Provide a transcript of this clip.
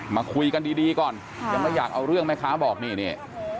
มาคุยกันดีก่อนยังไม่อยากเอาเรื่องแม่ค้าบอกนี่นี่